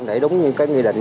để đúng như cái quy định